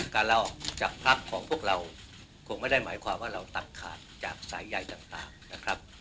การเล่าจากภักดิ์ของพวกเราคงไม่ได้หมายความว่าเราตัดขาดจากสายใยต่างนะครับ